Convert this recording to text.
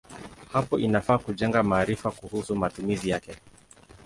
Hapo inafaa kujenga maarifa kuhusu matumizi yake.